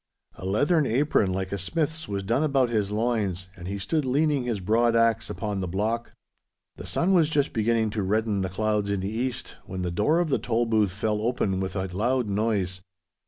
A leathern apron like a smith's was done about his loins, and he stood leaning his broad axe upon the block. The sun was just beginning to redden the clouds in the east, when the door of the Tolbooth fell open with a loud noise.